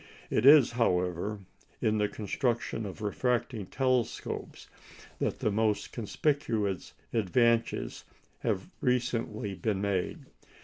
It is, however, in the construction of refracting telescopes that the most conspicuous advances have recently been made.